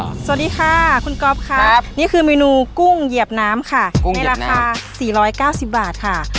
สวัสดีค่ะคุณก๊อฟครับนี่คือเมนูกุ้งเหยียบน้ำค่ะในราคา๔๙๐บาทค่ะ